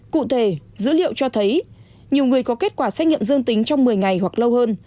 cụ thể dữ liệu cho thấy nhiều người có kết quả xét nghiệm dương tính trong một mươi ngày hoặc lâu hơn